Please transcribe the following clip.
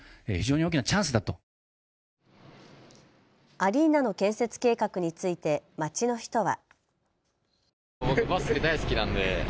アリーナの建設計画について街の人は。